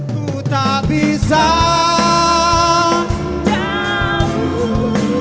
ku tak bisa jauh jauh darimu